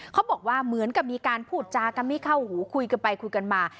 เขาบอกว่าเหมือนกับมีการพูดจากันไม่เข้าหูคุยกันไปคุยกันมา